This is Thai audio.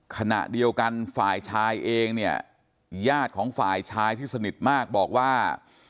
ขณะเดียวกันฝ่ายชายเองเนี่ยญาติของฝ่ายชายที่สนิทมากบอกว่า